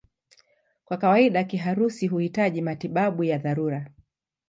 Kwa kawaida kiharusi huhitaji matibabu ya dharura.